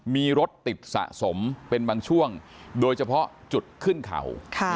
มีรถติดสะสมเป็นบางช่วงโดยเฉพาะจุดขึ้นเขา